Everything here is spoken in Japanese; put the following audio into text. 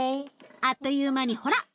あっという間にほら！